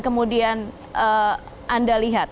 kemudian anda lihat